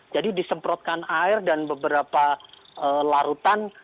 jadi disemprotkan air dan beberapa larutan